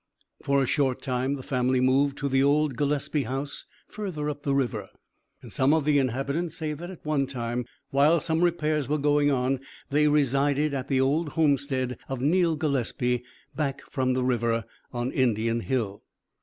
For a short time the family moved to the old Gillespie House further up the river, and some of the inhabitants say that at one time, while some repairs were going on, they resided at the old homestead of Neal Gillespie, back from the river, on Indian Hill."